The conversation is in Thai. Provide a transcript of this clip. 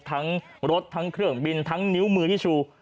ทั้งรถทั้งเครื่องบินทั้งนิ้วมือที่ชู